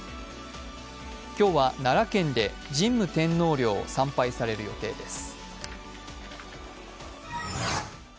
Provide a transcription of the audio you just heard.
今日は奈良県で神武天皇陵を参拝される予定です。